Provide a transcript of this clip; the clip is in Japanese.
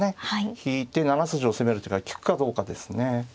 引いて７筋を攻める手が利くかどうかですね。